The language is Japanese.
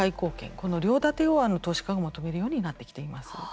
この両建てを投資家が求めるようになってきています。